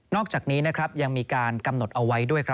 อกจากนี้ยังมีการกำหนดเอาไว้ด้วย